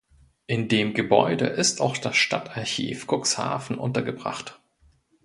In dem Gebäude ist auch das Stadtarchiv Cuxhaven untergebracht.